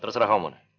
terserah kamu mona